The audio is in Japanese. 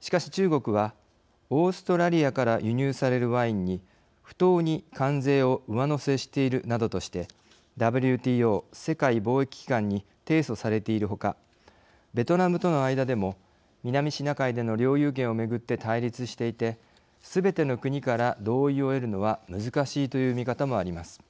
しかし、中国はオーストラリアから輸入されるワインに不当に関税を上乗せしているなどとしてＷＴＯ＝世界貿易機関に提訴されているほかベトナムとの間でも南シナ海での領有権をめぐって対立していてすべての国から同意を得るのは難しいという見方もあります。